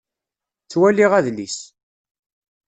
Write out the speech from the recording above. Ttwaliɣ adlis.